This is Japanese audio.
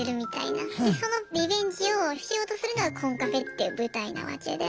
でそのリベンジをしようとするのがコンカフェっていう舞台なわけで。